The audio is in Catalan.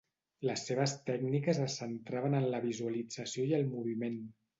Les seves tècniques es centraven en la visualització i el moviment.